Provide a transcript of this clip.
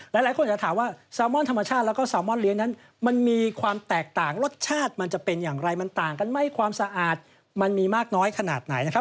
หลายคนจะถามว่าแซลมอนธรรมชาติแล้วก็แซลมอนเลี้ยนั้นมันมีความแตกต่างรสชาติมันจะเป็นอย่างไรมันต่างกันไหมความสะอาดมันมีมากน้อยขนาดไหนนะครับ